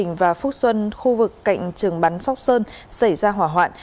trong thời gian phút xuân khu vực cạnh trường bắn sóc sơn xảy ra hỏa hoạn